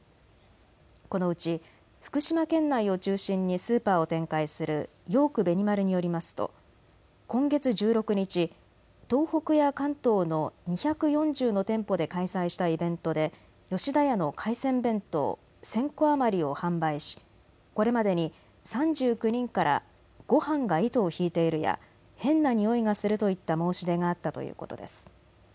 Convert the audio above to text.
このうち福島県内を中心にスーパーを展開するヨークベニマルによりますと今月１６日、東北や関東の２４０の店舗で開催したイベントで吉田屋の海鮮弁当１０００個余りを販売しこれまでに３９人からごはんが糸を引いているや変なにおいがするといった申し出があったということです。